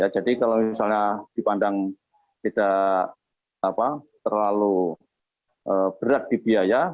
jadi kalau misalnya dipandang tidak terlalu berat di biaya